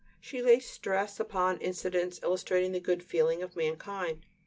She lays stress upon incidents illustrating the good feeling of mankind.